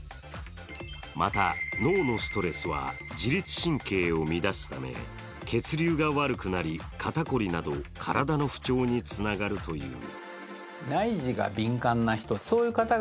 また、脳のストレスは自律神経を乱すため血流が悪くなり肩凝りなど体の不調につながるという。